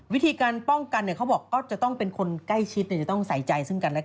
วิธีการป้องกันเขาบอกก็จะต้องเป็นคนใกล้ชิดจะต้องใส่ใจซึ่งกันและกัน